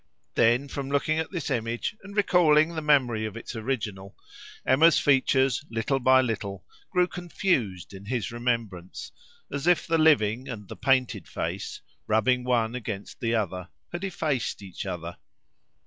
Then, from looking at this image and recalling the memory of its original, Emma's features little by little grew confused in his remembrance, as if the living and the painted face, rubbing one against the other, had effaced each other.